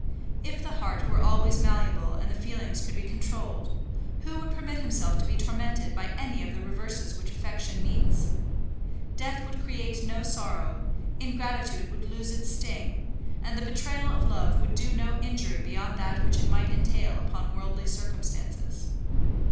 If the heart were always malleable and the feelings could be controlled, who would permit himself to be tormented by any of the reverses which affection meets? Death would create no sorrow; ingratitude would lose its sting; and the betrayal of love would do no injury beyond that which it might entail upon worldly circumstances.